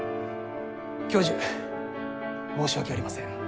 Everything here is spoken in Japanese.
教授申し訳ありません。